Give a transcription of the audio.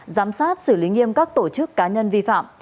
giám sát xử lý nghiêm các tổ chức cá nhân vi phạm